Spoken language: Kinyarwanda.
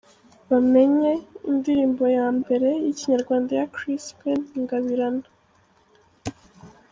Bamenye”, indirimbo ya mbere y’ikinyarwanda ya Chrispin Ngabirama:.